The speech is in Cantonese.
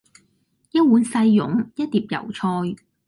一碗細擁，一碟油菜